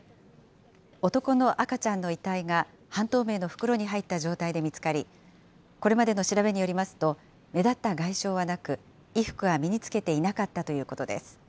男の赤ちゃんの遺体が半透明の袋に入った状態で見つかり、これまでの調べによりますと、目立った外傷はなく、衣服は身につけていなかったということです。